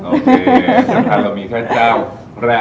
โอเคถ้าเรามีแค่เจ้าแรก